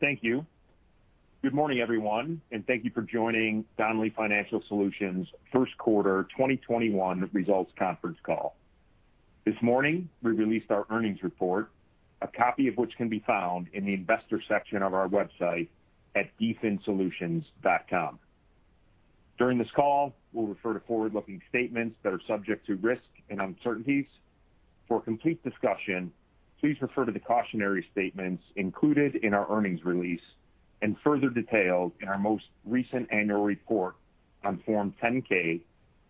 Thank you. Good morning, everyone, and thank you for joining Donnelley Financial Solutions' first quarter 2021 results conference call. This morning, we released our earnings report, a copy of which can be found in the investor section of our website at dfinsolutions.com. During this call, we'll refer to forward-looking statements that are subject to risks and uncertainties. For a complete discussion, please refer to the cautionary statements included in our earnings release, and further detailed in our most recent annual report on Form 10-K,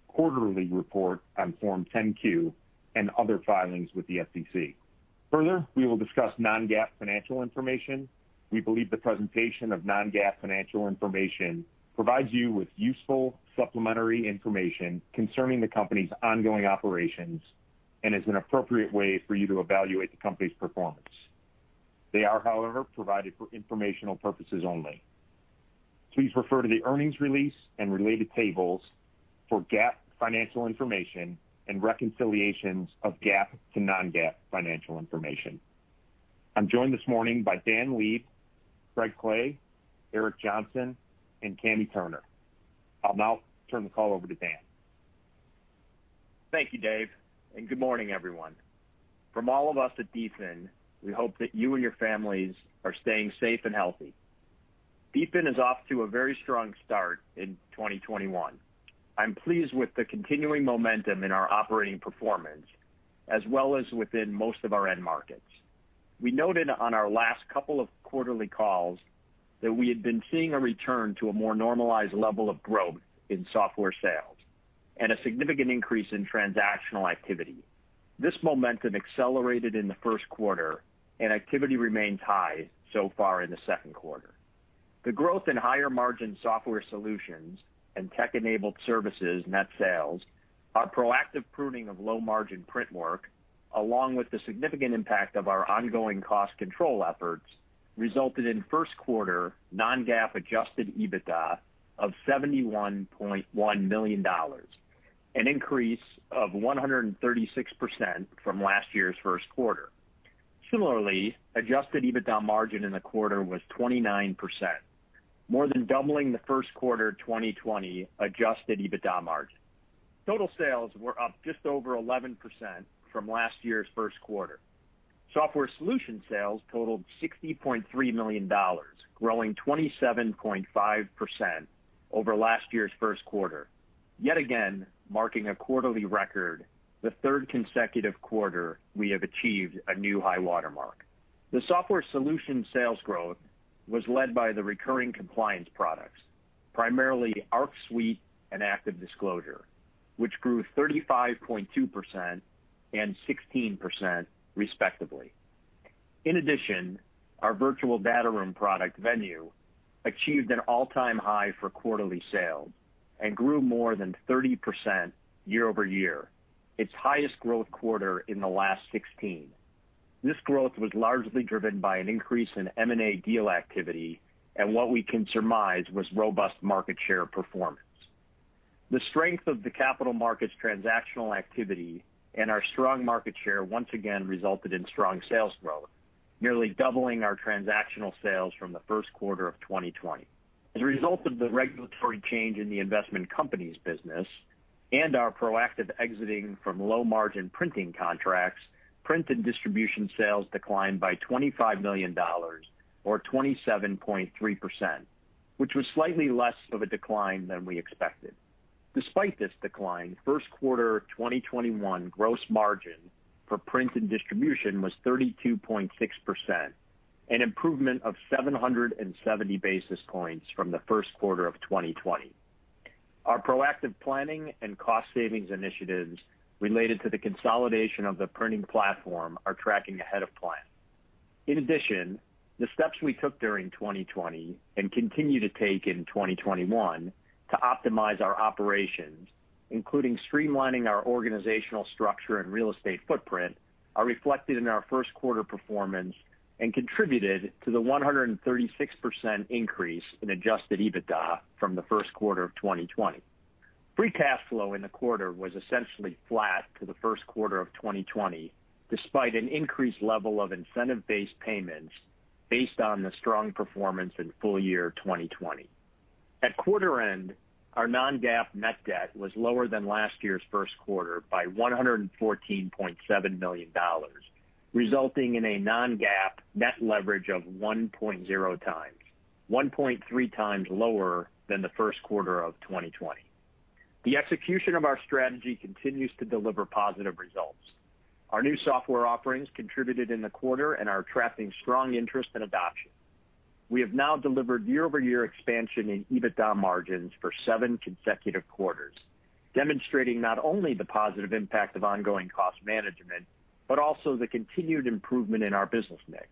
quarterly report on Form 10-Q, and other filings with the SEC. Further, we will discuss non-GAAP financial information. We believe the presentation of non-GAAP financial information provides you with useful supplementary information concerning the company's ongoing operations and is an appropriate way for you to evaluate the company's performance. They are, however, provided for informational purposes only. Please refer to the earnings release and related tables for GAAP financial information and reconciliations of GAAP to non-GAAP financial information. I'm joined this morning by Dan Leib, Craig Clay, Eric Johnson, and Kami Turner. I'll now turn the call over to Dan. Thank you, Dave. Good morning, everyone. From all of us at DFIN, we hope that you and your families are staying safe and healthy. DFIN is off to a very strong start in 2021. I'm pleased with the continuing momentum in our operating performance, as well as within most of our end markets. We noted on our last couple of quarterly calls that we had been seeing a return to a more normalized level of growth in software sales and a significant increase in transactional activity. This momentum accelerated in the first quarter. Activity remains high so far in the second quarter. The growth in higher-margin software solutions and tech-enabled services net sales, our proactive pruning of low-margin print work, along with the significant impact of our ongoing cost control efforts, resulted in first quarter non-GAAP adjusted EBITDA of $71.1 million, an increase of 136% from last year's first quarter. Similarly, adjusted EBITDA margin in the quarter was 29%, more than doubling the first quarter 2020 adjusted EBITDA margin. Total sales were up just over 11% from last year's first quarter. Software solution sales totaled $60.3 million, growing 27.5% over last year's first quarter, yet again marking a quarterly record, the third consecutive quarter we have achieved a new high water mark. The software solution sales growth was led by the recurring compliance products, primarily Arc Suite and ActiveDisclosure, which grew 35.2% and 16%, respectively. In addition, our virtual data room product, Venue, achieved an all-time high for quarterly sales and grew more than 30% year-over-year, its highest growth quarter in the last 16. This growth was largely driven by an increase in M&A deal activity and what we can surmise was robust market share performance. The strength of the capital markets transactional activity and our strong market share once again resulted in strong sales growth, nearly doubling our transactional sales from the first quarter of 2020. As a result of the regulatory change in the investment company's business and our proactive exiting from low-margin printing contracts, print and distribution sales declined by $25 million, or 27.3%, which was slightly less of a decline than we expected. Despite this decline, first quarter 2021 gross margin for print and distribution was 32.6%, an improvement of 770 basis points from the first quarter of 2020. Our proactive planning and cost savings initiatives related to the consolidation of the printing platform are tracking ahead of plan. The steps we took during 2020 and continue to take in 2021 to optimize our operations, including streamlining our organizational structure and real estate footprint, are reflected in our first quarter performance and contributed to the 136% increase in adjusted EBITDA from the first quarter of 2020. Free cash flow in the quarter was essentially flat to the first quarter of 2020, despite an increased level of incentive-based payments based on the strong performance in full year 2020. At quarter end, our non-GAAP net debt was lower than last year's first quarter by $114.7 million, resulting in a non-GAAP net leverage of 1.0 time, 1.3 times lower than the first quarter of 2020. The execution of our strategy continues to deliver positive results. Our new software offerings contributed in the quarter and are attracting strong interest and adoption. We have now delivered year-over-year expansion in EBITDA margins for seven consecutive quarters, demonstrating not only the positive impact of ongoing cost management, but also the continued improvement in our business mix.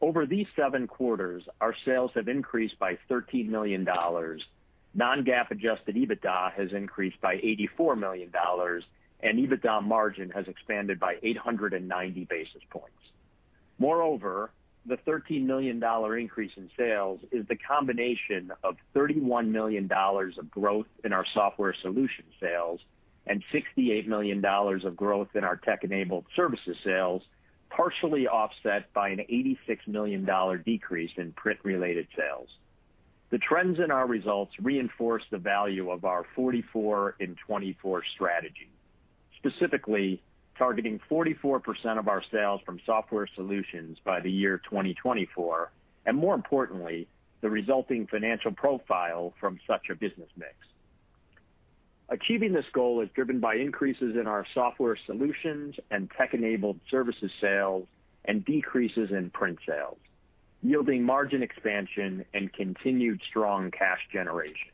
Over these seven quarters, our sales have increased by $13 million, non-GAAP adjusted EBITDA has increased by $84 million, and EBITDA margin has expanded by 890 basis points. The $13 million increase in sales is the combination of $31 million of growth in our software solution sales and $68 million of growth in our tech-enabled services sales, partially offset by an $86 million decrease in print-related sales. The trends in our results reinforce the value of our 44 in 2024 strategy, specifically targeting 44% of our sales from software solutions by the year 2024, and more importantly, the resulting financial profile from such a business mix. Achieving this goal is driven by increases in our software solutions and tech-enabled services sales and decreases in print sales, yielding margin expansion and continued strong cash generation.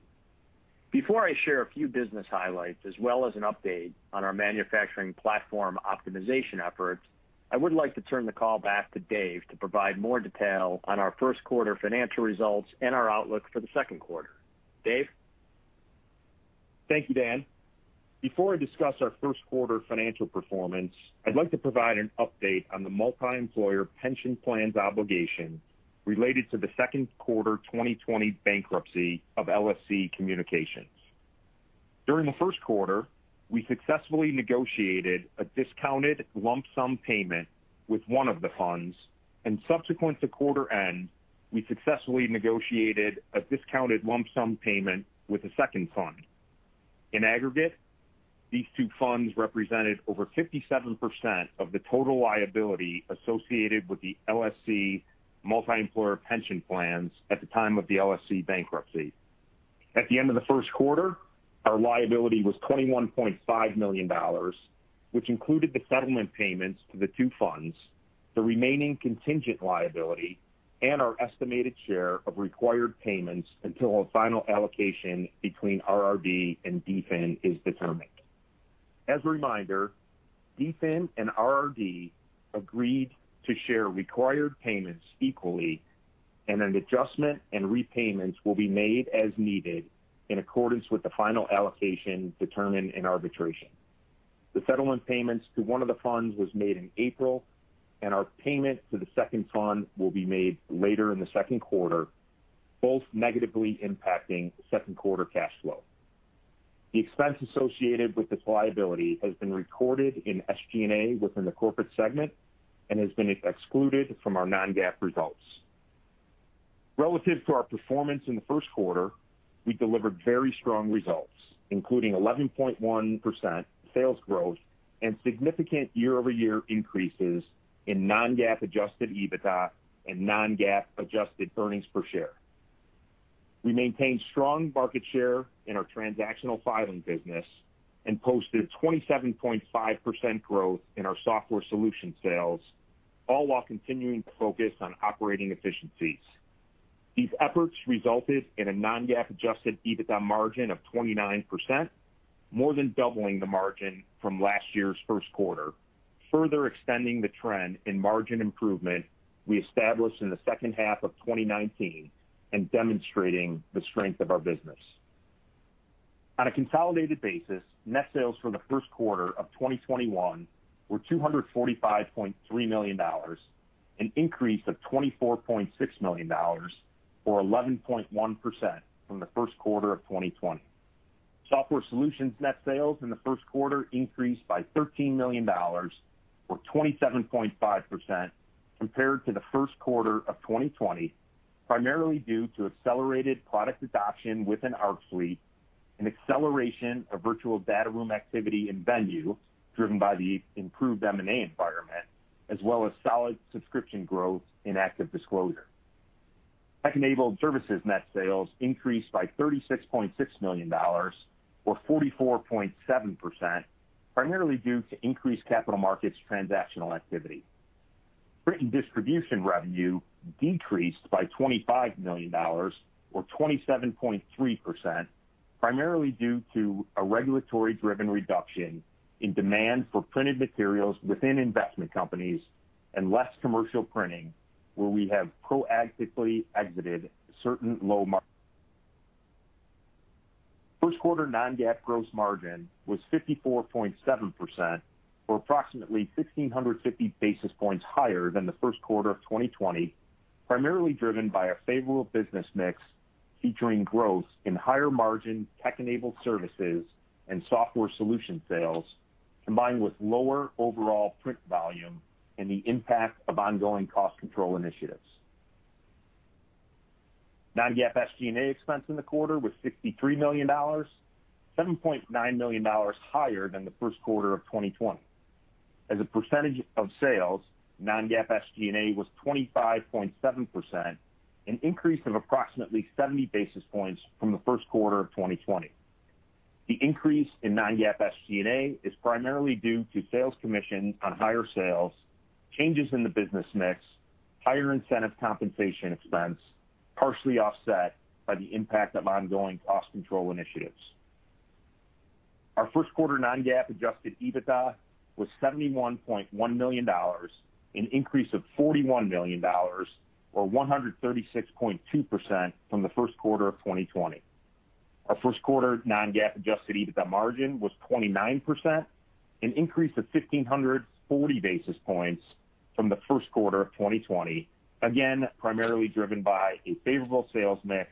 Before I share a few business highlights as well as an update on our manufacturing platform optimization efforts, I would like to turn the call back to Dave to provide more detail on our first quarter financial results and our outlook for the second quarter. Dave? Thank you, Dan. Before I discuss our first quarter financial performance, I'd like to provide an update on the multi-employer pension plans obligation related to the second quarter 2020 bankruptcy of LSC Communications. During the first quarter, we successfully negotiated a discounted lump sum payment with one of the funds, and subsequent to quarter end, we successfully negotiated a discounted lump sum payment with a second fund. In aggregate, these two funds represented over 57% of the total liability associated with the LSC multi-employer pension plans at the time of the LSC bankruptcy. At the end of the first quarter, our liability was $21.5 million, which included the settlement payments to the two funds, the remaining contingent liability, and our estimated share of required payments until a final allocation between RRD and DFIN is determined. As a reminder, DFIN and RRD agreed to share required payments equally, an adjustment and repayments will be made as needed in accordance with the final allocation determined in arbitration. The settlement payments to one of the funds was made in April, and our payment to the second fund will be made later in the second quarter, both negatively impacting second quarter cash flow. The expense associated with this liability has been recorded in SG&A within the corporate segment and has been excluded from our non-GAAP results. Relative to our performance in the first quarter, we delivered very strong results, including 11.1% sales growth and significant year-over-year increases in non-GAAP adjusted EBITDA and non-GAAP adjusted earnings per share. We maintained strong market share in our transactional filing business and posted 27.5% growth in our software solution sales, all while continuing to focus on operating efficiencies. These efforts resulted in a non-GAAP adjusted EBITDA margin of 29%, more than doubling the margin from last year's first quarter, further extending the trend in margin improvement we established in the second half of 2019 and demonstrating the strength of our business. On a consolidated basis, net sales for the first quarter of 2021 were $245.3 million, an increase of $24.6 million, or 11.1% from the first quarter of 2020. Software solutions net sales in the first quarter increased by $13 million, or 27.5% compared to the first quarter of 2020, primarily due to accelerated product adoption within Arc Suite, an acceleration of virtual data room activity in Venue, driven by the improved M&A environment, as well as solid subscription growth in ActiveDisclosure. Tech-enabled services net sales increased by $36.6 million, or 44.7%, primarily due to increased capital markets transactional activity. Print and distribution revenue decreased by $25 million, or 27.3%, primarily due to a regulatory-driven reduction in demand for printed materials within investment companies and less commercial printing, where we have proactively exited certain low margin. First quarter non-GAAP gross margin was 54.7%, or approximately 1,650 basis points higher than the first quarter of 2020, primarily driven by a favorable business mix featuring growth in higher margin tech-enabled services and software solution sales, combined with lower overall print volume and the impact of ongoing cost control initiatives. Non-GAAP SG&A expense in the quarter was $63 million, $7.9 million higher than the first quarter of 2020. As a percentage of sales, non-GAAP SG&A was 25.7%, an increase of approximately 70 basis points from the first quarter of 2020. The increase in non-GAAP SG&A is primarily due to sales commission on higher sales, changes in the business mix, higher incentive compensation expense, partially offset by the impact of ongoing cost control initiatives. Our first quarter non-GAAP adjusted EBITDA was $71.1 million, an increase of $41 million, or 136.2% from the first quarter of 2020. Our first quarter non-GAAP adjusted EBITDA margin was 29%, an increase of 1,540 basis points from the first quarter of 2020, again, primarily driven by a favorable sales mix,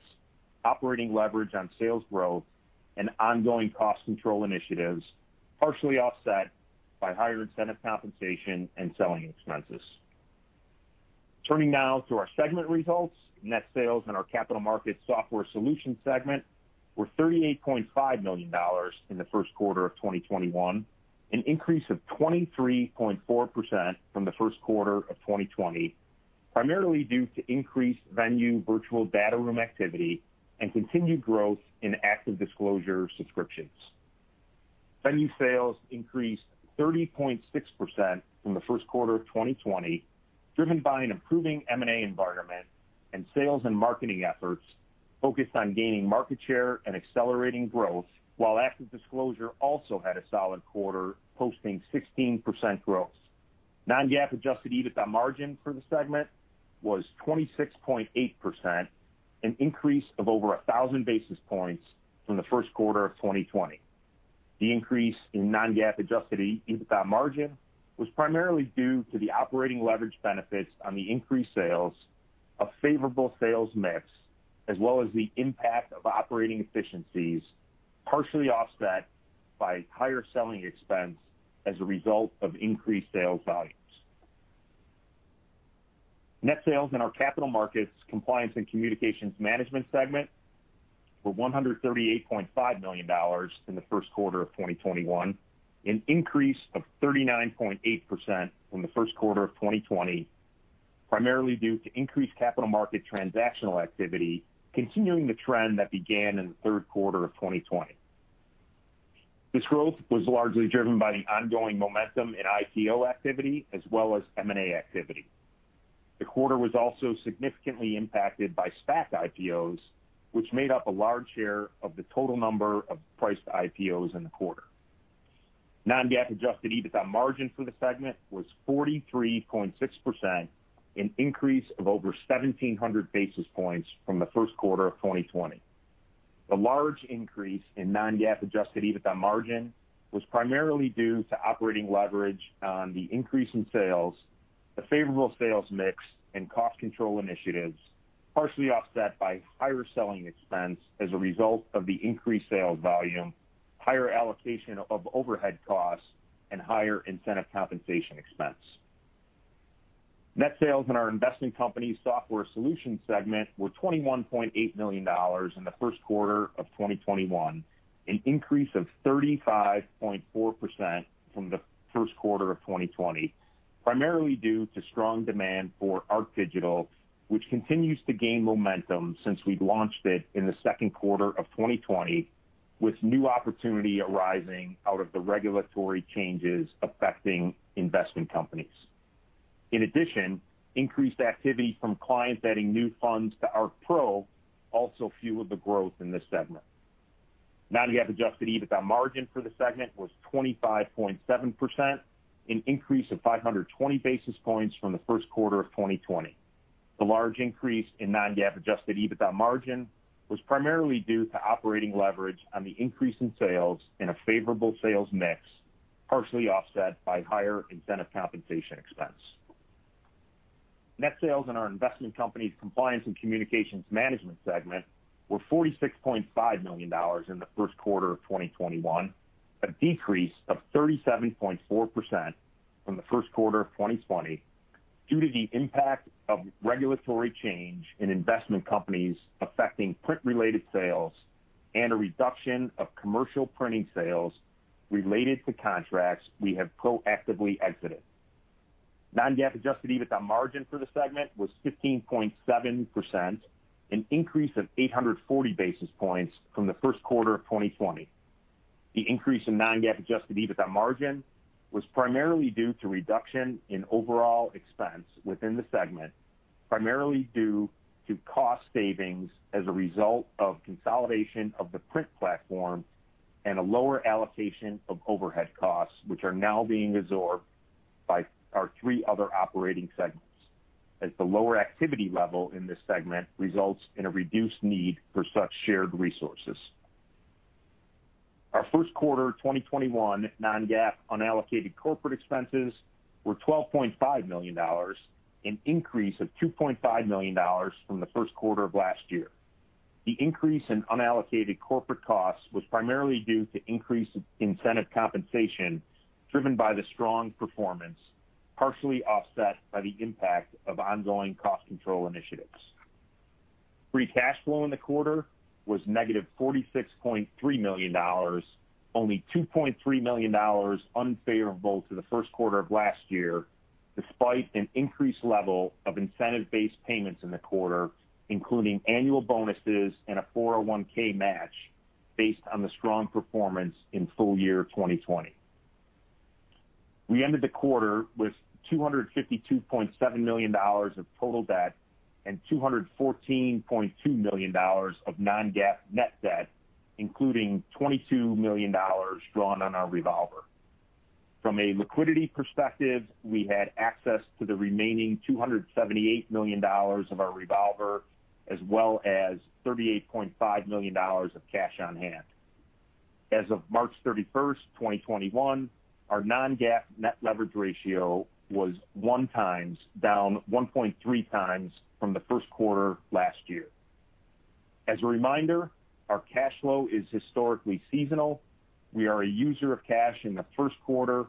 operating leverage on sales growth, and ongoing cost control initiatives, partially offset by higher incentive compensation and selling expenses. Turning now to our segment results, net sales in our Capital Markets-Software Solutions segment were $38.5 million in the first quarter of 2021, an increase of 23.4% from the first quarter of 2020, primarily due to increased Venue virtual data room activity and continued growth in ActiveDisclosure subscriptions. Venue sales increased 30.6% from the first quarter of 2020, driven by an improving M&A environment and sales and marketing efforts focused on gaining market share and accelerating growth, while ActiveDisclosure also had a solid quarter, posting 16% growth. Non-GAAP adjusted EBITDA margin for the segment was 26.8%, an increase of over 1,000 basis points from the first quarter of 2020. The increase in non-GAAP adjusted EBITDA margin was primarily due to the operating leverage benefits on the increased sales, a favorable sales mix, as well as the impact of operating efficiencies, partially offset by higher selling expense as a result of increased sales volumes. Net sales in our Capital Markets Compliance and Communications Management segment were $138.5 million in the first quarter of 2021, an increase of 39.8% from the first quarter of 2020, primarily due to increased capital market transactional activity continuing the trend that began in the third quarter of 2020. This growth was largely driven by the ongoing momentum in IPO activity as well as M&A activity. The quarter was also significantly impacted by SPAC IPOs, which made up a large share of the total number of priced IPOs in the quarter. Non-GAAP adjusted EBITDA margin for the segment was 43.6%, an increase of over 1,700 basis points from the first quarter of 2020. The large increase in non-GAAP adjusted EBITDA margin was primarily due to operating leverage on the increase in sales, a favorable sales mix, and cost control initiatives, partially offset by higher selling expense as a result of the increased sales volume, higher allocation of overhead costs, and higher incentive compensation expense. Net sales in our Investment Company Software Solutions segment were $21.8 million in the first quarter of 2021, an increase of 35.4% from the first quarter of 2020, primarily due to strong demand for ArcDigital, which continues to gain momentum since we launched it in the second quarter of 2020, with new opportunity arising out of the regulatory changes affecting investment companies. Increased activity from clients adding new funds to ArcPro also fueled the growth in this segment. Non-GAAP adjusted EBITDA margin for the segment was 25.7%, an increase of 520 basis points from the first quarter of 2020. The large increase in non-GAAP adjusted EBITDA margin was primarily due to operating leverage on the increase in sales and a favorable sales mix, partially offset by higher incentive compensation expense. Net sales in our Investment Companies Compliance and Communications Management segment were $46.5 million in the first quarter of 2021, a decrease of 37.4% from the first quarter of 2020 due to the impact of regulatory change in investment companies affecting print-related sales and a reduction of commercial printing sales related to contracts we have proactively exited. Non-GAAP adjusted EBITDA margin for the segment was 15.7%, an increase of 840 basis points from the first quarter of 2020. The increase in non-GAAP adjusted EBITDA margin was primarily due to reduction in overall expense within the segment, primarily due to cost savings as a result of consolidation of the print platform and a lower allocation of overhead costs, which are now being absorbed by our three other operating segments, as the lower activity level in this segment results in a reduced need for such shared resources. Our first quarter 2021 non-GAAP unallocated corporate expenses were $12.5 million, an increase of $2.5 million from the first quarter of last year. The increase in unallocated corporate costs was primarily due to increased incentive compensation driven by the strong performance, partially offset by the impact of ongoing cost control initiatives. Free cash flow in the quarter was -$46.3 million, only $2.3 million unfavorable to the first quarter of last year, despite an increased level of incentive-based payments in the quarter, including annual bonuses and a 401 match based on the strong performance in full year 2020. We ended the quarter with $252.7 million of total debt and $214.2 million of non-GAAP net debt, including $22 million drawn on our revolver. From a liquidity perspective, we had access to the remaining $278 million of our revolver as well as $38.5 million of cash on hand. As of March 31st, 2021, our non-GAAP net leverage ratio was one time, down 1.3 times from the first quarter last year. As a reminder, our cash flow is historically seasonal. We are a user of cash in the first quarter,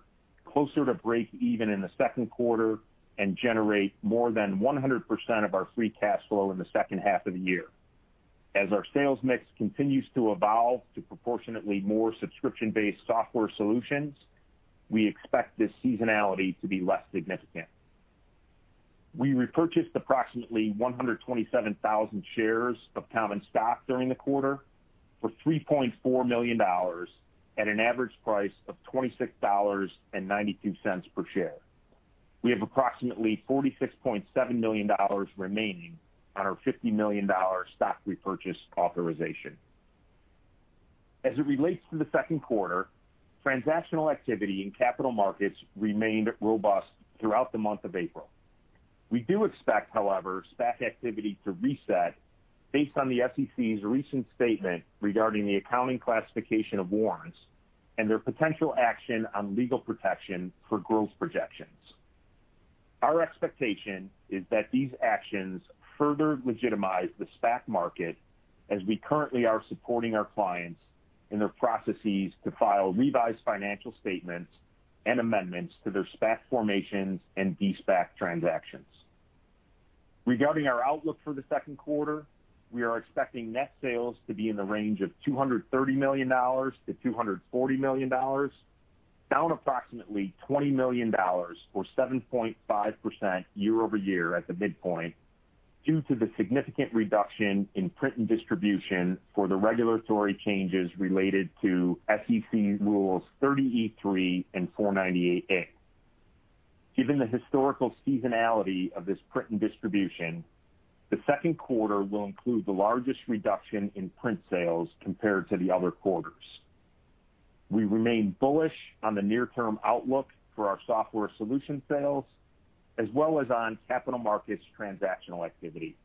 closer to breakeven in the second quarter, and generate more than 100% of our free cash flow in the second half of the year. As our sales mix continues to evolve to proportionately more subscription-based software solutions, we expect this seasonality to be less significant. We repurchased approximately 127,000 shares of common stock during the quarter for $3.4 million at an average price of $26.92 per share. We have approximately $46.7 million remaining on our $50 million stock repurchase authorization. As it relates to the second quarter, transactional activity in capital markets remained robust throughout the month of April. We do expect, however, SPAC activity to reset based on the SEC's recent statement regarding the accounting classification of warrants and their potential action on legal protection for growth projections. Our expectation is that these actions further legitimize the SPAC market as we currently are supporting our clients in their processes to file revised financial statements and amendments to their SPAC formations and de-SPAC transactions. Regarding our outlook for the second quarter, we are expecting net sales to be in the range of $230 million-$240 million, down approximately $20 million or 7.5% year-over-year at the midpoint due to the significant reduction in print and distribution for the regulatory changes related to SEC rules 30e-3 and 498A. Given the historical seasonality of this print and distribution, the second quarter will include the largest reduction in print sales compared to the other quarters. We remain bullish on the near-term outlook for our software solution sales, as well as on capital markets transactional activity.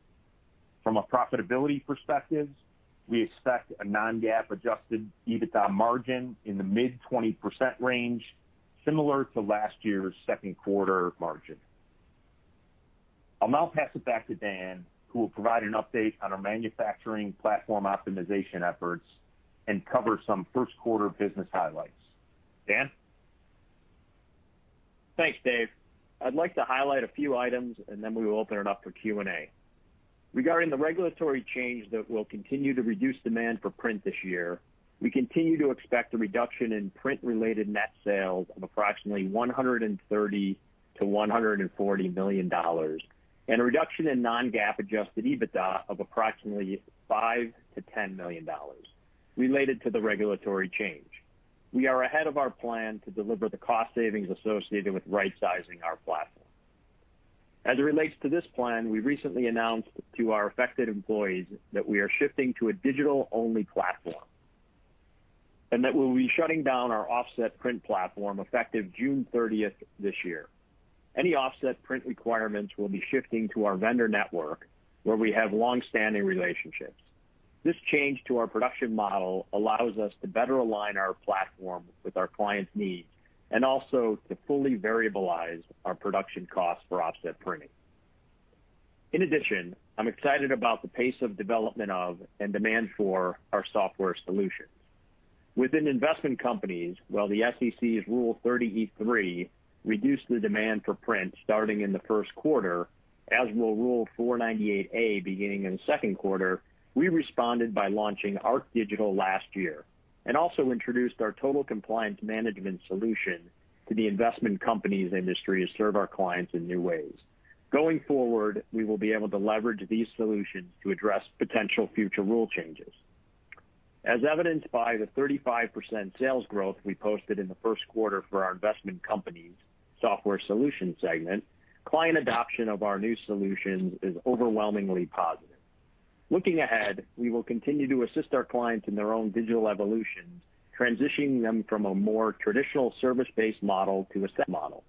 From a profitability perspective, we expect a non-GAAP adjusted EBITDA margin in the mid-20% range, similar to last year's second quarter margin. I'll now pass it back to Dan, who will provide an update on our manufacturing platform optimization efforts and cover some first-quarter business highlights. Dan? Thanks, Dave. I'd like to highlight a few items, and then we will open it up for Q&A. Regarding the regulatory change that will continue to reduce demand for print this year, we continue to expect a reduction in print-related net sales of approximately $130 million-$140 million, and a reduction in non-GAAP adjusted EBITDA of approximately $5 million-$10 million related to the regulatory change. We are ahead of our plan to deliver the cost savings associated with right-sizing our platform. As it relates to this plan, we recently announced to our affected employees that we are shifting to a digital-only platform, and that we'll be shutting down our offset print platform effective June 30th this year. Any offset print requirements will be shifting to our vendor network where we have longstanding relationships. This change to our production model allows us to better align our platform with our clients' needs and also to fully variabilize our production costs for offset printing. In addition, I'm excited about the pace of development of and demand for our software solutions. Within investment companies, while the SEC's Rule 30e-3 reduced the demand for print starting in the first quarter, as will Rule 498A beginning in the second quarter, we responded by launching ArcDigital last year, and also introduced our Total Compliance Management solution to the investment companies industry to serve our clients in new ways. Going forward, we will be able to leverage these solutions to address potential future rule changes. As evidenced by the 35% sales growth we posted in the first quarter for our investment company's software solution segment, client adoption of our new solutions is overwhelmingly positive. Looking ahead, we will continue to assist our clients in their own digital evolutions, transitioning them from a more traditional service-based model to a SaaS model.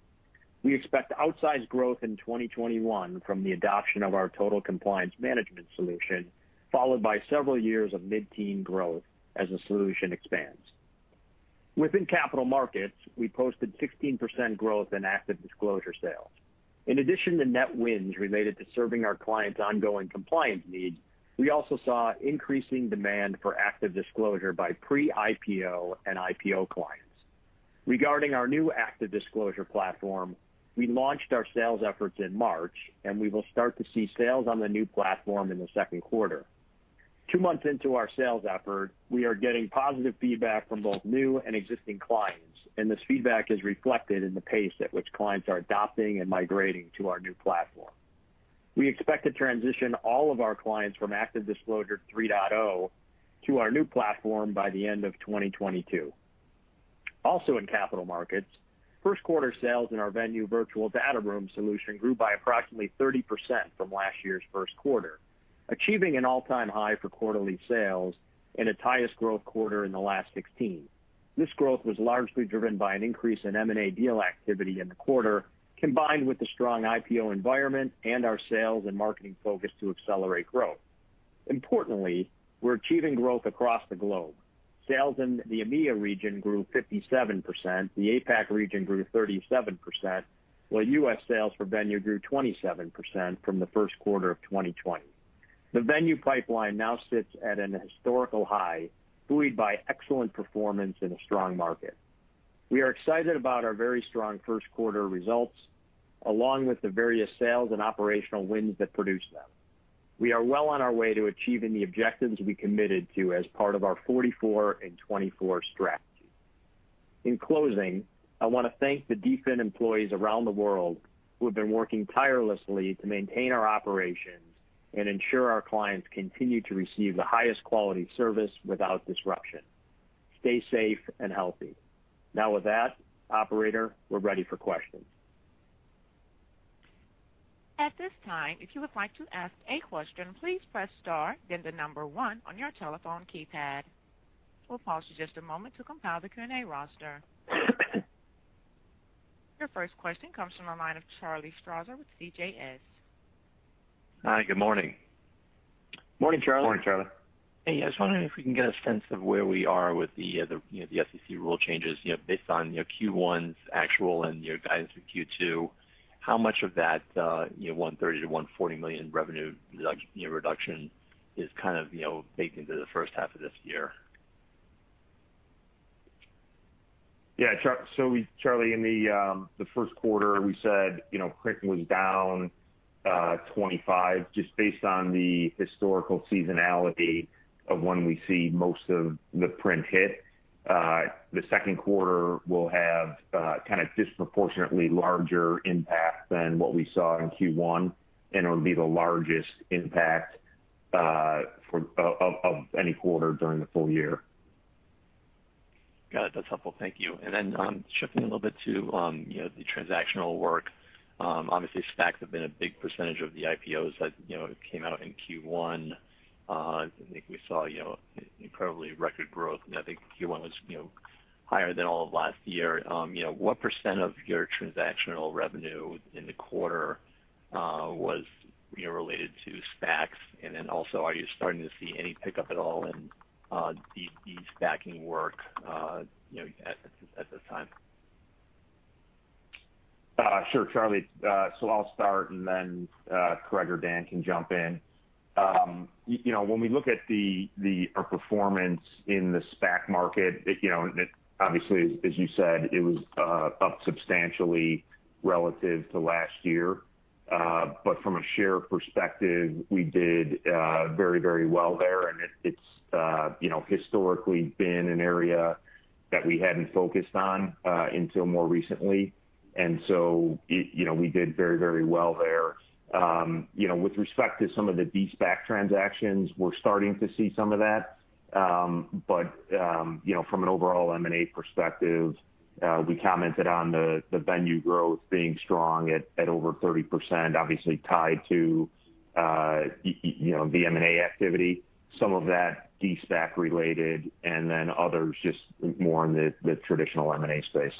We expect outsized growth in 2021 from the adoption of our Total Compliance Management solution, followed by several years of mid-teen growth as the solution expands. Within capital markets, we posted 16% growth in ActiveDisclosure sales. In addition to net wins related to serving our clients' ongoing compliance needs, we also saw increasing demand for ActiveDisclosure by pre-IPO and IPO clients. Regarding our new ActiveDisclosure platform, we launched our sales efforts in March, and we will start to see sales on the new platform in the second quarter. Two months into our sales effort, we are getting positive feedback from both new and existing clients, and this feedback is reflected in the pace at which clients are adopting and migrating to our new platform. We expect to transition all of our clients from ActiveDisclosure 3.0 to our new platform by the end of 2022. Also in capital markets, first quarter sales in our Venue virtual data room solution grew by approximately 30% from last year's first quarter, achieving an all-time high for quarterly sales and its highest growth quarter in the last 16. This growth was largely driven by an increase in M&A deal activity in the quarter, combined with the strong IPO environment and our sales and marketing focus to accelerate growth. Importantly, we're achieving growth across the globe. Sales in the EMEA region grew 57%, the APAC region grew 37%, while U.S. sales for Venue grew 27% from the first quarter of 2020. The Venue pipeline now sits at an historical high, buoyed by excellent performance in a strong market. We are excited about our very strong first quarter results, along with the various sales and operational wins that produce them. We are well on our way to achieving the objectives we committed to as part of our 44 in 2024 strategy. In closing, I want to thank the DFIN employees around the world who have been working tirelessly to maintain our operations and ensure our clients continue to receive the highest quality service without disruption. Stay safe and healthy. With that, operator, we're ready for questions. At this time if you would like to ask a question, please press star then the number one on your telephone keypad. Your first question comes from the line of Charlie Strauzer with CJS. Hi. Good morning. Morning, Charlie. Morning, Charlie. Hey, I was wondering if we can get a sense of where we are with the SEC rule changes based on your Q1's actual and your guidance for Q2. How much of that $130 million-$140 million revenue reduction is kind of baked into the first half of this year? Charlie Strauzer, in the first quarter we said quickly was down 25, just based on the historical seasonality of when we see most of the print hit. The second quarter will have kind of disproportionately larger impact than what we saw in Q1, and it'll be the largest impact of any quarter during the full year. Got it. That's helpful. Thank you. Then shifting a little bit to the transactional work. Obviously, SPACs have been a big percentage of the IPOs that came out in Q1. I think we saw incredibly record growth, and I think Q1 was higher than all of last year. What percent of your transactional revenue in the quarter was related to SPACs? Then also, are you starting to see any pickup at all in de-SPACing work at this time? Sure, Charlie. I'll start and then Craig or Dan can jump in. When we look at our performance in the SPAC market, obviously, as you said, it was up substantially relative to last year. From a share perspective, we did very well there, and it's historically been an area that we hadn't focused on until more recently. We did very well there. With respect to some of the de-SPAC transactions, we're starting to see some of that. From an overall M&A perspective, we commented on the Venue growth being strong at over 30%, obviously tied to the M&A activity, some of that de-SPAC related, and then others just more in the traditional M&A space.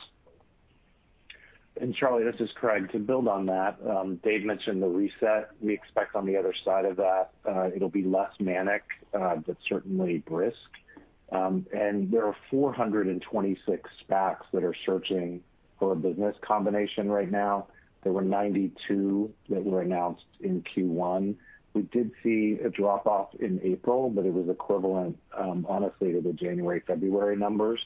Charlie, this is Craig. To build on that, Dave mentioned the reset. We expect on the other side of that it'll be less manic, but certainly brisk. There are 426 SPACs that are searching for a business combination right now. There were 92 that were announced in Q1. We did see a drop-off in April, but it was equivalent honestly to the January, February numbers.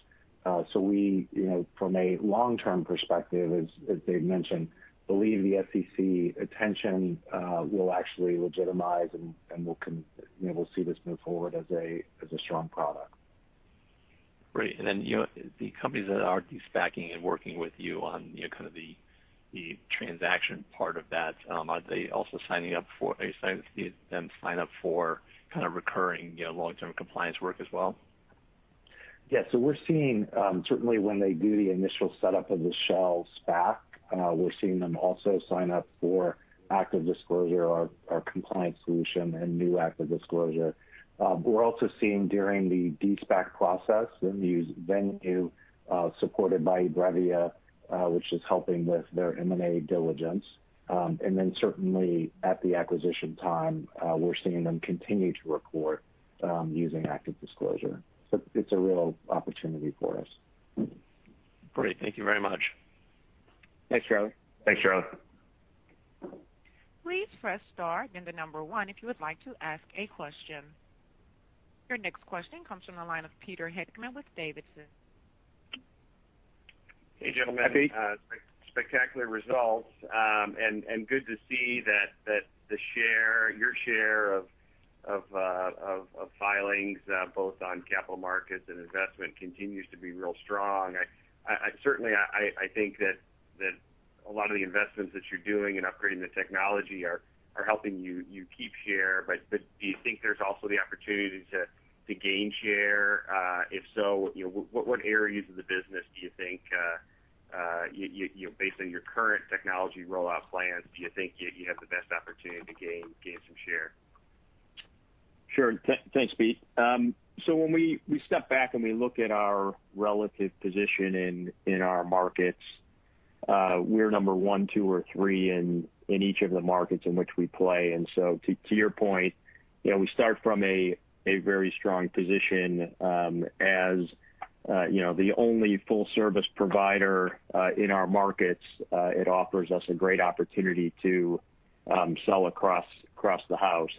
From a long-term perspective, as Dave mentioned, believe the SEC attention will actually legitimize and we'll see this move forward as a strong product. Great. The companies that are de-SPACing and working with you on the transaction part of that, are you starting to see them sign up for recurring long-term compliance work as well? Yeah. We're seeing certainly when they do the initial setup of the shell SPAC, we're seeing them also sign up for ActiveDisclosure, our compliance solution and new ActiveDisclosure. We're also seeing during the de-SPAC process, the Venue supported by eBrevia which is helping with their M&A diligence. Certainly at the acquisition time, we're seeing them continue to report using ActiveDisclosure. It's a real opportunity for us. Great. Thank you very much. Thanks, Charlie. Thanks, Charlie. Please press star then the number one if you would like to ask a question. Your next question comes from the line of Peter Heckmann with D.A. Davidson. Hey, gentlemen. Hi, Peter. Spectacular results. Good to see that your share of filings both on capital markets and investment continues to be real strong. Certainly, I think that a lot of the investments that you're doing in upgrading the technology are helping you keep share, but do you think there's also the opportunity to gain share? If so, what areas of the business do you think based on your current technology rollout plans, do you think you have the best opportunity to gain some share? Sure. Thanks, Pete. when we step back and we look at our relative position in our markets We're number one, two, or three in each of the markets in which we play. To your point, we start from a very strong position as the only full-service provider in our markets. It offers us a great opportunity to sell across the house.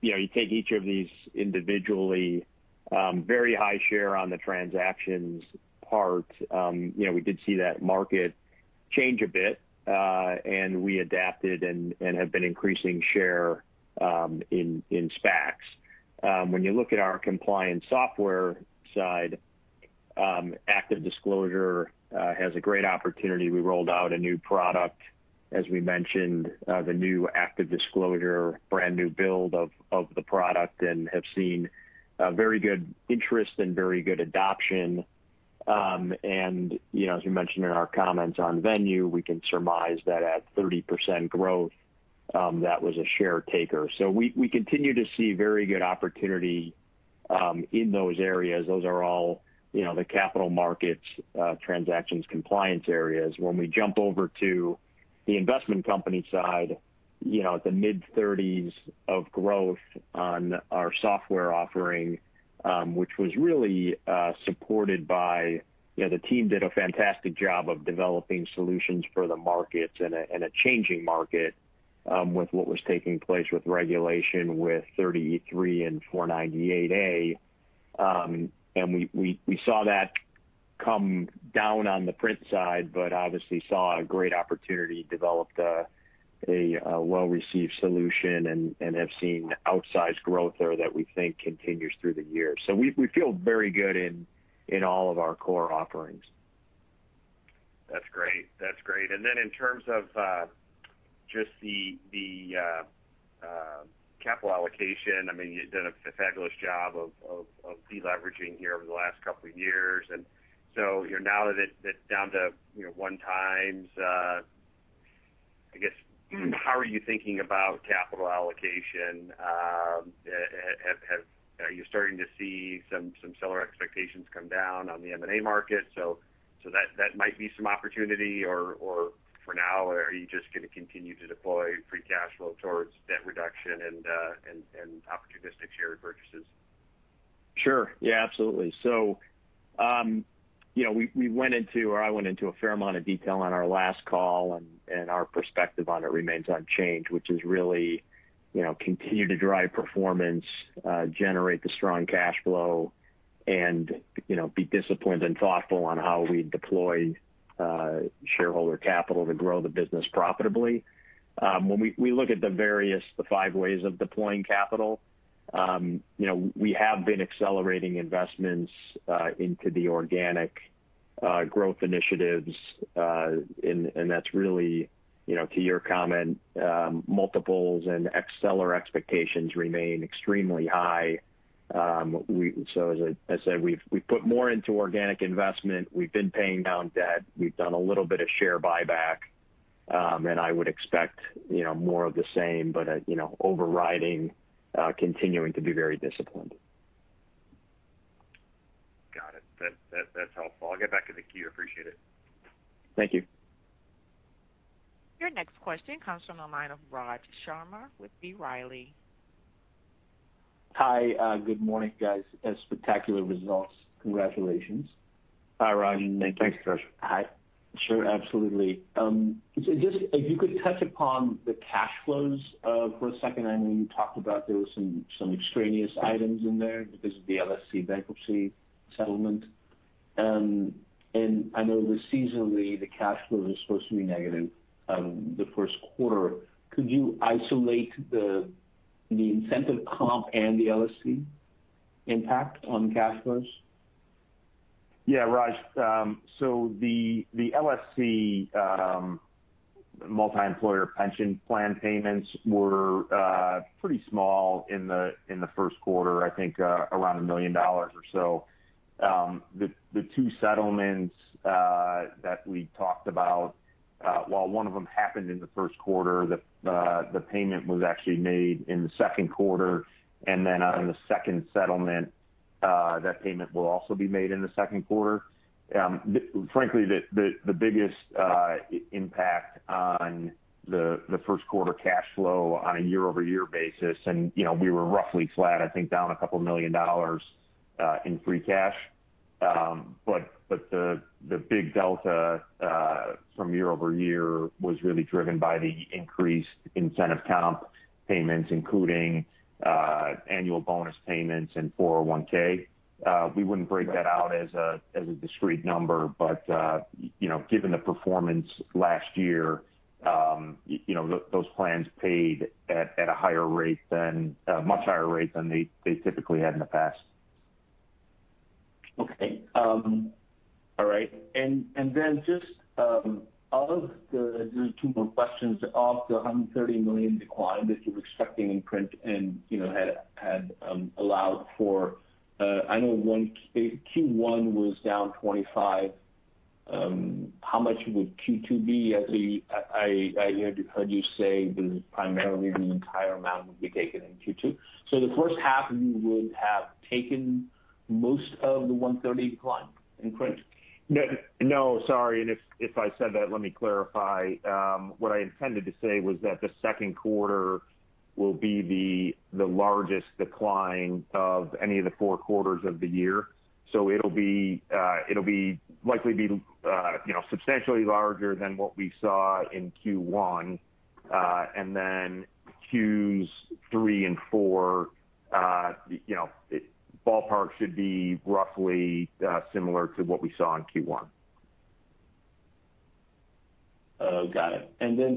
You take each of these individually, very high share on the transactions part. We did see that market change a bit, and we adapted and have been increasing share in SPACs. When you look at our compliance software side, ActiveDisclosure has a great opportunity. We rolled out a new product, as we mentioned, the new ActiveDisclosure brand new build of the product and have seen very good interest and very good adoption. As we mentioned in our comments on Venue, we can surmise that at 30% growth, that was a share taker. We continue to see very good opportunity in those areas. Those are all the capital markets transactions compliance areas. When we jump over to the investment company side, the mid-30s of growth on our software offering, which was really supported by the team did a fantastic job of developing solutions for the markets and a changing market with what was taking place with regulation with 30e-3 and 498A. We saw that come down on the print side, but obviously saw a great opportunity, developed a well-received solution, and have seen outsized growth there that we think continues through the year. We feel very good in all of our core offerings. That's great. Then in terms of just the capital allocation, you've done a fabulous job of de-leveraging here over the last couple of years. So now that it's down to one time, I guess, how are you thinking about capital allocation? Are you starting to see some seller expectations come down on the M&A market, so that might be some opportunity? For now, are you just going to continue to deploy free cash flow towards debt reduction and opportunistic share repurchases? Sure. Yeah, absolutely. We went into, or I went into a fair amount of detail on our last call, and our perspective on it remains unchanged, which is really continue to drive performance, generate the strong cash flow, and be disciplined and thoughtful on how we deploy shareholder capital to grow the business profitably. When we look at the various five ways of deploying capital, we have been accelerating investments into the organic growth initiatives. That's really to your comment, multiples and seller expectations remain extremely high. As I said, we've put more into organic investment. We've been paying down debt. We've done a little bit of share buyback. I would expect more of the same, but overriding, continuing to be very disciplined. Got it. That's helpful. I'll get back in the queue. Appreciate it. Thank you. Your next question comes from the line of Raj Sharma with B. Riley. Hi. Good morning, guys. Spectacular results. Congratulations. Hi, Raj. Thank you. Thanks, Raj. Hi. Sure, absolutely. If you could touch upon the cash flows for a second. I know you talked about there were some extraneous items in there because of the LSC bankruptcy settlement. I know that seasonally, the cash flow is supposed to be negative the first quarter. Could you isolate the incentive comp and the LSC impact on cash flows? Yeah, Raj. The LSC multi-employer pension plan payments were pretty small in the first quarter, I think around $1 million or so. The two settlements that we talked about, while one of them happened in the first quarter, the payment was actually made in the second quarter. On the second settlement, that payment will also be made in the second quarter. Frankly, the biggest impact on the first quarter cash flow on a year-over-year basis, and we were roughly flat, I think, down $2 million in free cash. The big delta from year-over-year was really driven by the increased incentive compensation payments, including annual bonus payments and 401(k). We wouldn't break that out as a discrete number, but given the performance last year, those plans paid at a much higher rate than they typically had in the past. Okay. All right. Just two more questions. Of the $130 million decline that you were expecting in print and had allowed for, I know Q1 was down $25 million. How much would Q2 be? I heard you say that primarily the entire amount would be taken in Q2. The first half you would have taken most of the $130 million decline in print? No, sorry. If I said that, let me clarify. What I intended to say was that the second quarter will be the largest decline of any of the four quarters of the year. It'll likely be substantially larger than what we saw in Q1. Qs three and four, ballpark should be roughly similar to what we saw in Q1. Oh, got it.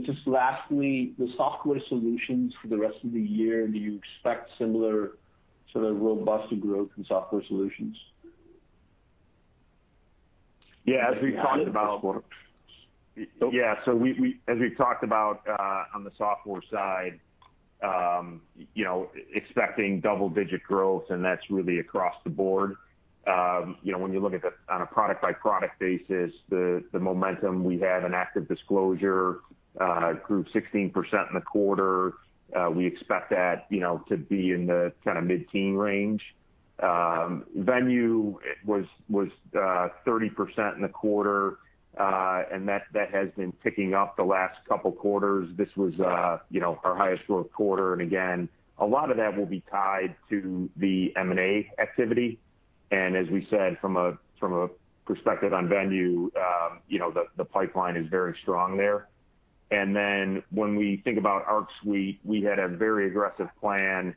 Just lastly, the software solutions for the rest of the year, do you expect similar sort of robust growth in software solutions? As we've talked about on the software side, expecting double-digit growth and that's really across the board. When you look at on a product-by-product basis, the momentum we have in ActiveDisclosure grew 16% in the quarter. We expect that to be in the kind of mid-teen range. Venue was 30% in the quarter, and that has been ticking up the last couple quarters. This was our highest growth quarter. Again, a lot of that will be tied to the M&A activity. As we said, from a perspective on Venue, the pipeline is very strong there. When we think about Arc Suite, we had a very aggressive plan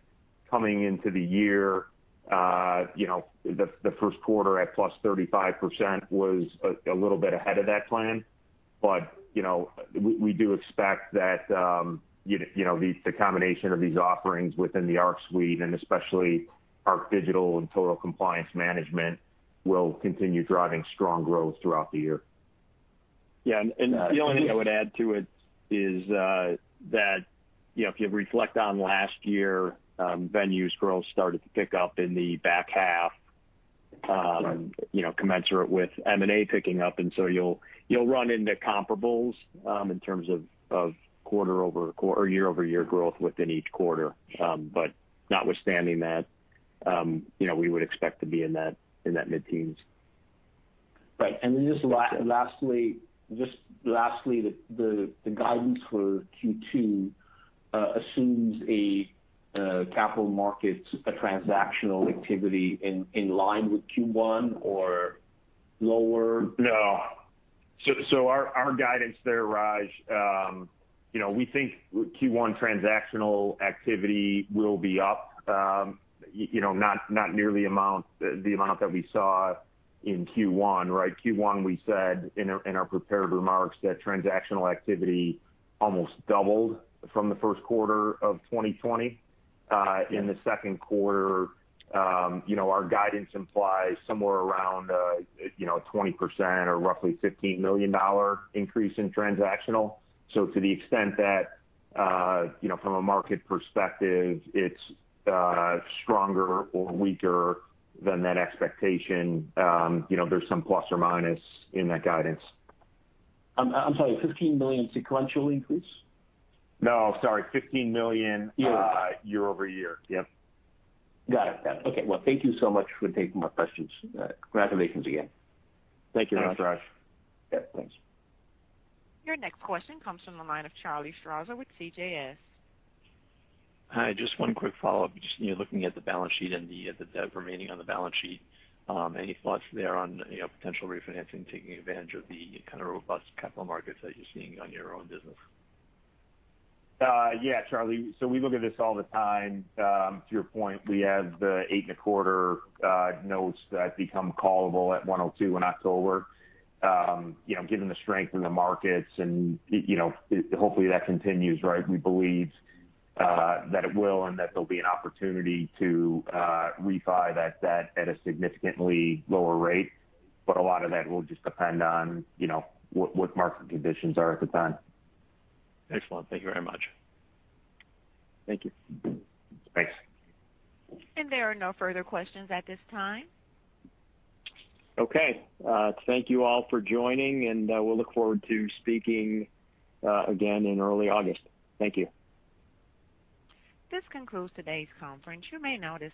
coming into the year. The first quarter at plus 35% was a little bit ahead of that plan. We do expect that the combination of these offerings within the Arc Suite and especially ArcDigital and Total Compliance Management will continue driving strong growth throughout the year. Yeah. The only thing I would add to it is that if you reflect on last year, Venue's growth started to pick up in the back half. Right Commensurate with M&A picking up. You'll run into comparables in terms of year-over-year growth within each quarter. Notwithstanding that we would expect to be in that mid-teens. Right. Then just lastly, the guidance for Q2 assumes a capital markets transactional activity in line with Q1 or lower? No. Our guidance there, Raj, we think Q1 transactional activity will be up, not nearly the amount that we saw in Q1, right? Q1 we said in our prepared remarks that transactional activity almost doubled from the first quarter of 2020. In the second quarter our guidance implies somewhere around 20% or roughly $15 million increase in transactional. To the extent that from a market perspective it's stronger or weaker than that expectation there's some plus or minus in that guidance. I'm sorry, $15 million sequential increase? No, sorry, $15 million. Year over. Year-over-year. Yep. Got it. Okay. Well, thank you so much for taking my questions. Congratulations again. Thank you, Raj. Thanks, Raj. Yeah, thanks. Your next question comes from the line of Charlie Strauzer with CJS. Hi, just one quick follow-up. Just looking at the balance sheet and the debt remaining on the balance sheet, any thoughts there on potential refinancing, taking advantage of the kind of robust capital markets that you're seeing on your own business? Yeah, Charlie. We look at this all the time. To your point, we have the eight and a quarter notes that become callable at 102 in October. Given the strength in the markets and hopefully that continues, right? We believe that it will and that there'll be an opportunity to refi that debt at a significantly lower rate. A lot of that will just depend on what market conditions are at the time. Excellent. Thank you very much. Thank you. Thanks. There are no further questions at this time. Okay. Thank you all for joining, and we'll look forward to speaking again in early August. Thank you. This concludes today's conference. You may now disconnect.